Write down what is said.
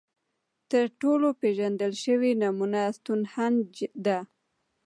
تر ټولو پېژندل شوې نمونه ستونهنج ده.